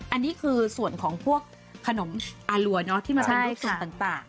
อันนี้คือส่วนของพวกขนมอารัวเนอะที่มาทานรสชาติต่าง